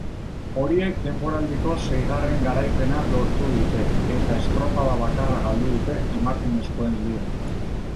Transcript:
Horiek denboraldiko seigarren garaipena lortu dute eta estropada bakarra galdu dute emakumezkoen ligan.